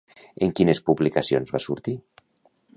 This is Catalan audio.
En quines publicacions va sortir?